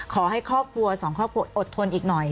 ขอให้ข้อควรหลุดทนอีกหน่อย